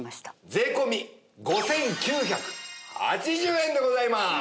税込５９８０円でございます！